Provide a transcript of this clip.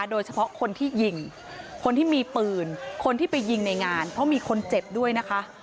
โดยเฉพาะคนที่ยิงคนที่มีปืนคนที่ไปยิงในงานเพราะมีคนเจ็บด้วยนะคะ